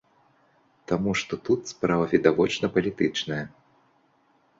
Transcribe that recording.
Таму што тут справа відавочна палітычная.